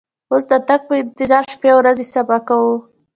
اوس د تګ په انتظار شپې او ورځې صبا کوو.